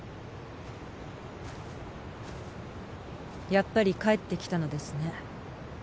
やっぱり帰ってきたのですね。